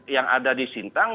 yang ada di sintang